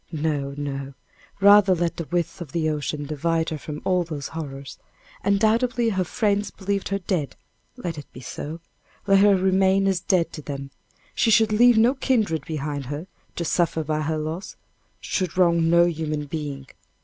No, no! rather let the width of the ocean divide her from all those horrors. Undoubtedly her friends believed her dead let it be so let her remain as dead to them. She should leave no kindred behind her, to suffer by her loss should wrong no human being.